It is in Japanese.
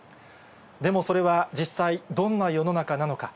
でもそれは実際、どんな世の中なのか。